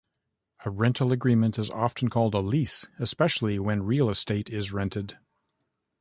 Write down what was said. A rental agreement is often called a lease, especially when real estate is rented.